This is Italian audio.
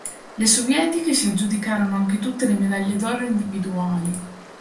Le sovietiche si aggiudicarono anche tutte le medaglie d'oro individuali.